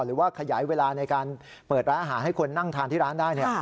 หรือว่าขยายเวลาในการเปิดร้านอาหารให้คนนั่งทานที่ร้านได้